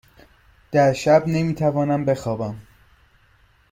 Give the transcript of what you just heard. در شب نمی توانم بخوابم.